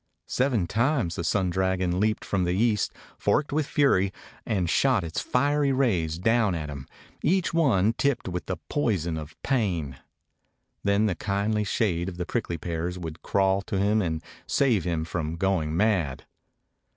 Seven times the sun dragon leaped from the east, forked with fury, and shot its fiery rays down at him, each one tipped with the poison of pain. Then Wie kindly shade of the prickly pears would crawl to him and save him from going mad.